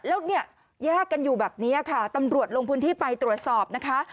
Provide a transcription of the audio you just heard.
แล้วเนี่ยแยกกันอยู่แบบนี้ค่ะตำรวจลงพื้นที่ไปตรวจสอบนะคะ